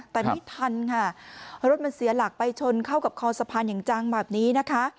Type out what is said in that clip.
แต่ไม่ทันค่ะรถมันเสียหลักไปชนเข้ากับคอสะพานอย่างจังแบบนี้นะคะ